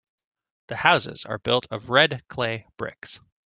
The houses are built of red clay bricks.